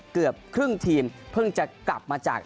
เกือบครึ่งทีมเพิ่งจะกลับมาจาก